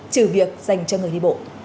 trừ việc dành cho người đi bộ